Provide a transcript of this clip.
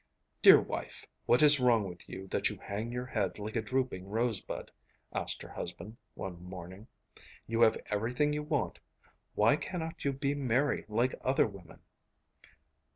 'Dear wife, what is wrong with you that you hang your head like a drooping rosebud?' asked her husband one morning. 'You have everything you want; why cannot you be merry like other women?